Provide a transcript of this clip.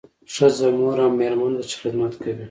ښځه مور او میرمن ده چې خدمت کوي